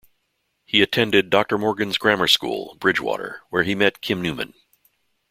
He attended Doctor Morgan's Grammar School, Bridgwater where he met Kim Newman.